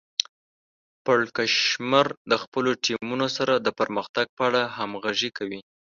پړکمشر د خپلو ټیمونو سره د پرمختګ په اړه همغږي کوي.